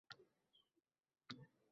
Haqiqatga tik boqaylik.